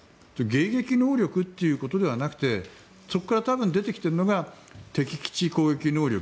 迎撃能力ということではなくてそこから出てきているのが敵基地攻撃能力